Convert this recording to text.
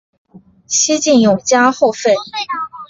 西晋永嘉后废。